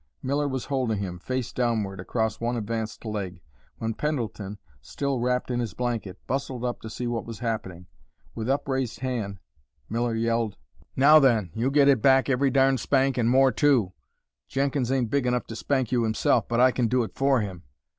Miller was holding him, face downward, across one advanced leg, when Pendleton, still wrapped in his blanket, bustled up to see what was happening. With upraised hand, Miller yelled: "Now, then, you'll get it back, every darn' spank, an' more too! Jenkins ain't big enough to spank you himself, but I can do it for him!"